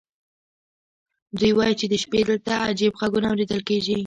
دوی وایي چې د شپې دلته عجیب غږونه اورېدل کېږي.